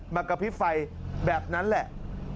มากระพริบไฟแบบนั้นแหละ